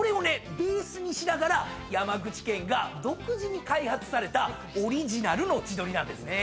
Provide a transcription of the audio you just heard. ベースにしながら山口県が独自に開発されたオリジナルの地鶏なんですね。